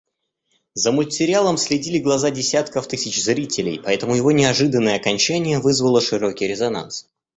За мультсериалом следили глаза десятков тысяч зрителей, поэтому его неожиданное окончание вызвало широкий резонанс.